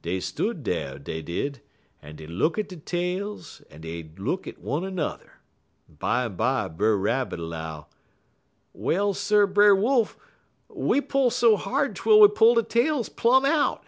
Dey stood dar, dey did, en dey look at de tails en den dey look at one n'er. Bimeby Brer Rabbit 'low: "'Well, sir, Brer Wolf; we pull so hard twel we pull de tails plum out!'